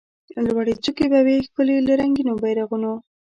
لوړي څوکي به وي ښکلي له رنګینو بیرغونو